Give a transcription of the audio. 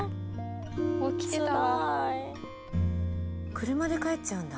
車で帰っちゃうんだ。